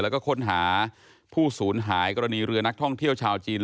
แล้วก็ค้นหาผู้สูญหายกรณีเรือนักท่องเที่ยวชาวจีน